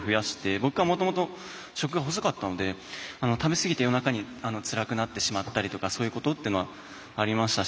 僕はもともと食が細かったので食べ過ぎて夜中につらくなってしまったりとかそういうことっていうのはありましたし。